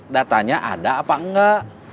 datanya ada apa enggak